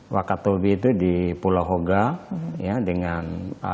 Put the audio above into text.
wakatobi itu di pulau hoga ya dengan